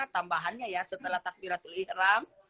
tambahannya ya setelah takbiratul ikhram